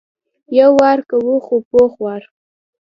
یو وار کوو خو پوخ وار.